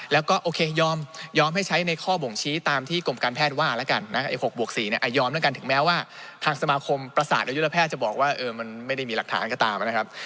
แล้วก็โอเคยอมให้ใช้ในข้อบ่งชี้ตามที่กรมการแพทย์ว่าแล้วกันนะไอ้๖บวก๔เนี่ยยอมแล้วกันถึงแม้ว่าทางสมาคมประสาทอายุระแพทย์จะบอกว่ามันไม่ได้มีหลักฐานก็ตามนะครับ